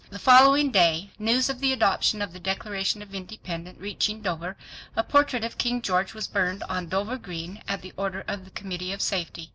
The following day news of the adoption of the Declaration of Independence reaching Dover a portrait of King George was burned on Dover Green at the order of the Committee of Safety.